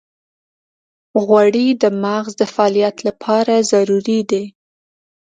غوړې د مغز د فعالیت لپاره ضروري دي.